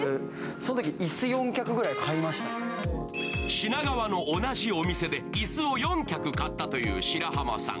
品川の同じお店で椅子を４脚買ったという白濱さん。